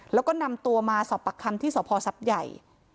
แล้วก็นำตัวมาสอบปากคำที่สพท์ใหญ่